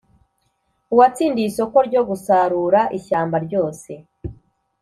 Uwatsindiye isoko ryo gusarura ishyamba ryose